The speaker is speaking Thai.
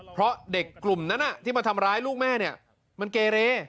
เพราะเด็กกลุ่มนั้นที่มาทำร้ายลูกแม่เนี่ยมันเกเร